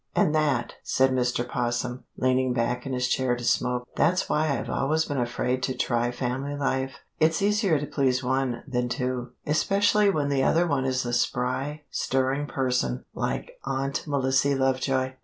"And that," said Mr. 'Possum, leaning back in his chair to smoke, "that's why I've always been afraid to try family life. It's easier to please one than two, especially when the other one is a spry, stirring person like Aunt Melissy Lovejoy."